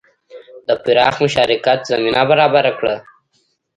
د پراخ مشارکت زمینه برابره کړه.